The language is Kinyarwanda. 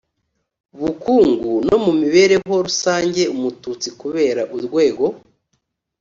bukungu no mu mibereho rusange umututsi kubera urwego